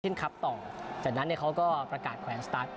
คลับต่อจากนั้นเนี่ยเขาก็ประกาศแขวนสตาร์ท